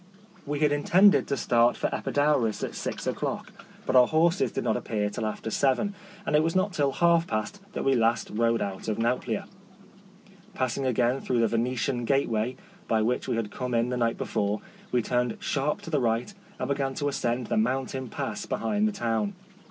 We had intended to start for Epi daurus at six o'clock, but our horses did not appear till after seven, and it was not till half past that we at last rode out of Nauplia. Passing again through the Vene tian gateway, by which we had come in the night before, we turned sharp to the right and began to ascend the mountain pass behind the town.